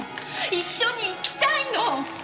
一緒に生きたいの！